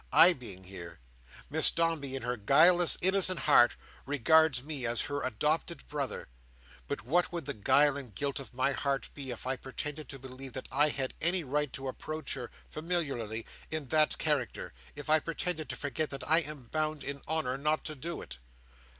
"I being here! Miss Dombey, in her guileless innocent heart, regards me as her adopted brother; but what would the guile and guilt of my heart be, if I pretended to believe that I had any right to approach her, familiarly, in that character—if I pretended to forget that I am bound, in honour, not to do it?"